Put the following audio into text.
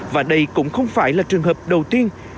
và đây cũng không phải là trường hợp đầu tiên